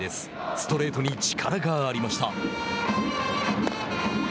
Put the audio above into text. ストレートに力がありました。